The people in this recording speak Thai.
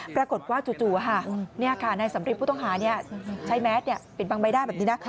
ปรากฏว่าจู่ในสำริตผู้ต้องหาใช้แมสเป็นบางใบด้านแบบนี้